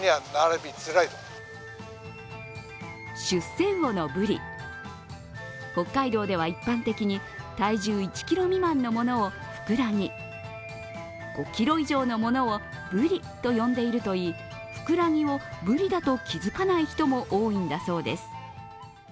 出世魚のブリ、北海道では一般的に体重１ｋｇ未満のものをフクラギ５ｋｇ以上のものをブリと呼んでいるといいフクラギをブリだと気づかない人も多いんだそうです。